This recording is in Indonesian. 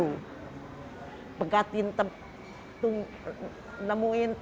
saya e elsa ini mural than nama tukang di modify